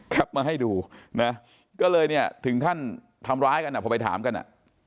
มาให้ดูนะก็เลยเนี่ยถึงขั้นทำร้ายกันอ่ะพอไปถามกันอ่ะ